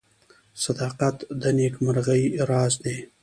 • صداقت د نیکمرغۍ راز دی.